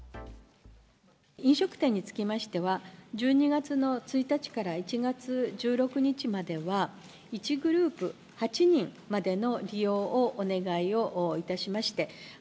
飲食店につきましては、１２月の１日から１月１６日までは、１グループ８人までの利用をお願いをいたしまして。